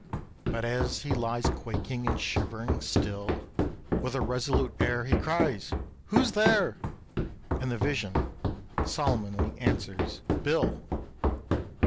But as he lies quaking and shivering, still, With a resolute air, He cries, "Who's there?" And the vision solemnly answers "Bill!"